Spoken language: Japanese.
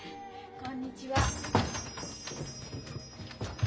こんにちは。